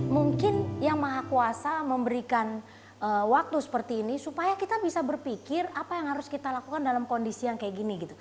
mungkin yang maha kuasa memberikan waktu seperti ini supaya kita bisa berpikir apa yang harus kita lakukan dalam kondisi yang kayak gini gitu